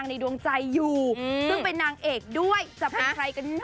ไปฟังกันเลยดีกว่าค่ะ